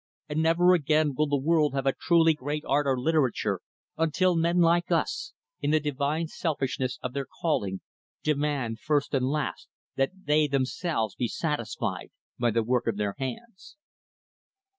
And never again will the world have a truly great art or literature until men like us in the divine selfishness of their, calling demand, first and last, that they, themselves, be satisfied by the work of their hands."